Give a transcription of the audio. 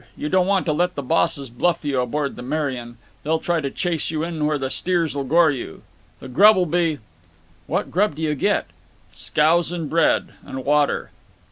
You don't want to let the bosses bluff you aboard the Merian. They'll try to chase you in where the steers'll gore you. The grub'll be—" "What grub do you get?" "Scouse and bread. And water."